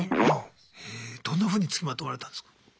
えどんなふうにつきまとわれたんすか？